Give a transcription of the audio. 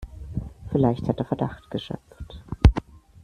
Vielleicht hat er Verdacht geschöpft.